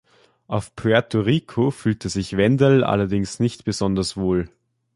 Auf Puerto Rico fühlte sich Wendell allerdings nicht besonders wohl.